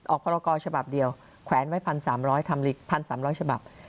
ออกภารกอร์ฉบับเดียวแขวนไว้๑๓๐๐ฉบับ